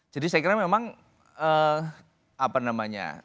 jadi saya kira memang apa namanya